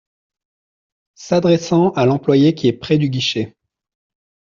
S’adressant à l’employé qui est près du guichet.